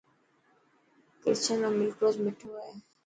ڪرشن رو ملڪروس مٺو هي.